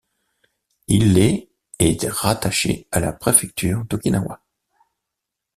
Il et est rattaché à la préfecture d'Okinawa.